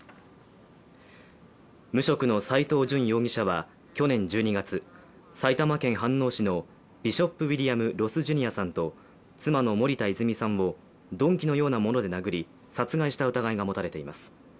無職の斉藤淳容疑者は去年１２月、埼玉県飯能市のビショップ・ウィリアム・ロス・ジュニアさんと妻の森田泉さんを、鈍器のようなもので殴り殺害した疑いが持たれています。